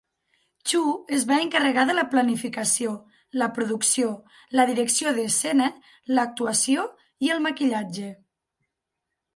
Chu es va encarregar de la planificació, la producció, la direcció d'escena, l'actuació i el maquillatge.